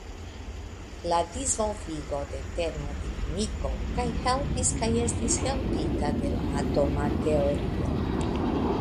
La disvolvigo de termodinamiko kaj helpis kaj estis helpita de la atoma teorio.